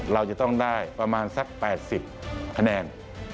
เราจะต้องได้ประมาณสัก๘๐คะแนน